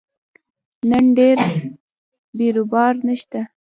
نن ډېر بیروبار نشته